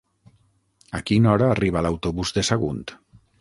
A quina hora arriba l'autobús de Sagunt?